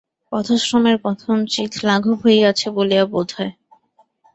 পথশ্রমের কথঞ্চিৎ লাঘব হইয়াছে বলিয়া বোধ হয়।